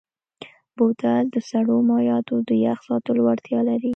بوتل د سړو مایعاتو د یخ ساتلو وړتیا لري.